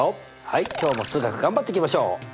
はい今日も数学頑張っていきましょう。